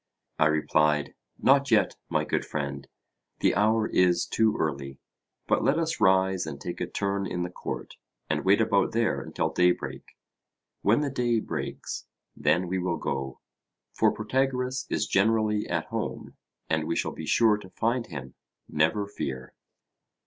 I replied: Not yet, my good friend; the hour is too early. But let us rise and take a turn in the court and wait about there until day break; when the day breaks, then we will go. For Protagoras is generally at home, and we shall be sure to find him; never fear.